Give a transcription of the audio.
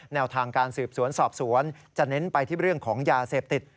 แนวทางการสืบสวนสอบสวนจะเน้นไปที่เรื่องของยาเสพติด